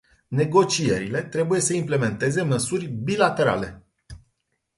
Negocierile trebuie să implementeze măsuri bilaterale.